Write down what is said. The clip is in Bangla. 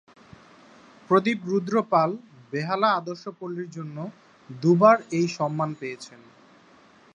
প্রদীপ রুদ্র পাল "বেহালা আদর্শপল্লী"র জন্য দুবার এই সম্মান পেয়েছেন।